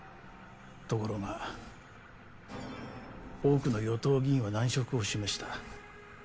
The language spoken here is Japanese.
ところが多くの与党議員は難色を示した。